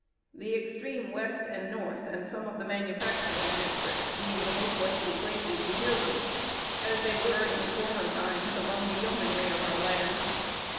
the extreme west and north, and some of the manufacturing districts, being the most likely places to hear them, as they were, in former times, among the yeomanry of our land.